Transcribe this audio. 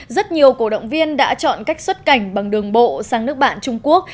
rất nhiều cổ động viên đã chọn cách xuất cảnh bằng đường bộ sang nước bạn trung quốc